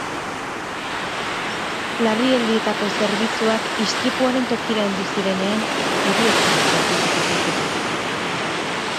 Larrialdietako zerbitzuak istripuaren tokira heldu zirenean heriotza zertifikatu zuten.